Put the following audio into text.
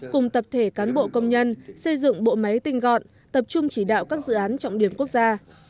cùng tập thể cán bộ công nhân xây dựng bộ máy tinh gọn tập trung chỉ đạo các dự án trọng điểm quốc gia